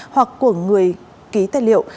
hoặc của người ký tài liệu